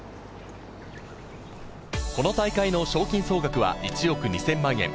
この大会の賞金総額は１億２０００万円。